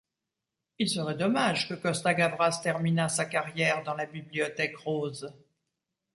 Il serait dommage que Costa-Gavras terminât sa carrière dans la Bibliothèque rose.